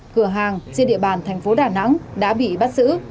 cửa hàng trên địa bàn thành phố đà nẵng đã bị bắt giữ